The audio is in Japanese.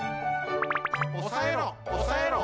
おさえろおさえろ！